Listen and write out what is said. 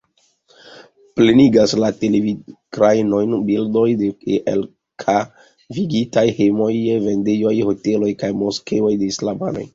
Plenigas la televidekranojn bildoj de elkavigitaj hejmoj, vendejoj, hoteloj kaj moskeoj de islamanoj.